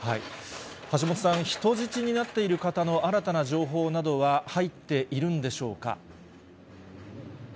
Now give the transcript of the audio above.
橋本さん、人質になっている方の新たな情報などは入っているんでしょうか。